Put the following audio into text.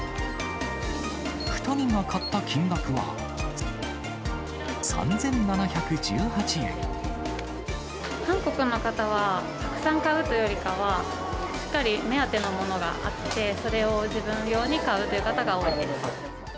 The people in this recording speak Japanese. ２人が買った金額は、韓国の方はたくさん買うというよりかは、しっかり目当てのものがあって、それを自分用に買うという方が多いです。